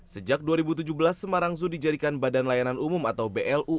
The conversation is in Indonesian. sejak dua ribu tujuh belas semarang zoo dijadikan badan layanan umum atau blu